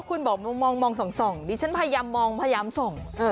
คุณบอกมองส่องดิฉันพยายามมองพยายามส่อง